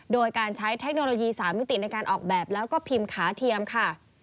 โดยการใช้เทคโนโลยี๓มิติในการออกแบบแล้วก็พิมพ์ขาเทียมค่ะ